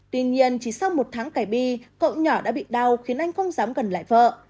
tuy nhiên chỉ sau một tháng cải bi cậu nhỏ đã bị đau khiến anh không dám gần lại vợ